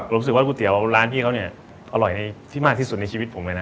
รู้สึกว่าก๋วยเตี๋ยวร้านพี่เขาเนี่ยอร่อยที่มากที่สุดในชีวิตผมเลยนะ